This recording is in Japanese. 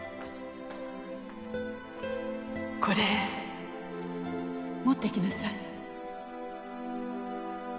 これ持っていきなさい